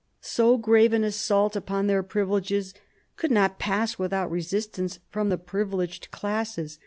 So grave an assault upon their privileges could not pass without resistance from the privileged classes.